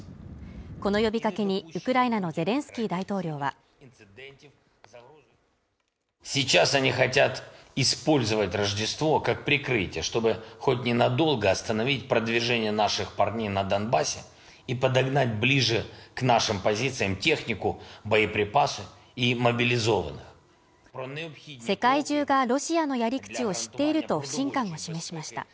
この呼びかけにウクライナのゼレンスキー大統領は世界中がロシアのやり口を知っていると不信感を示しました